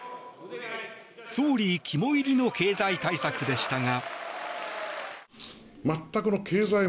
総理肝煎りの経済対策でしたが。